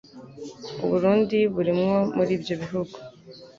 u Burundi burimwo muribyo bihugu